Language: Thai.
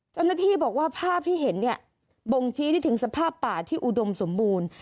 เจ้าหน้าที่บอกว่าภาพที่เห็นเนี่ยบ่งชี้ได้ถึงสภาพป่าที่อุดมสมบูรณ์